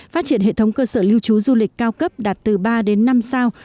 phát triển hệ thống cơ sở lưu trú du lịch cao cấp đạt từ ba đến năm sao